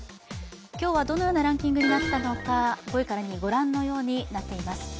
今日はどのようなランキングになったのか、５位から２位、ご覧のようになっています。